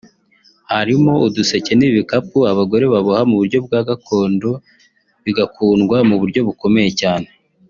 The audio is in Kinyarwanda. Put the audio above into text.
harimo uduseke n’ibikapu abagore baboha mu buryo bwa gakondo bigakundwa mu buryo bukomeye cyane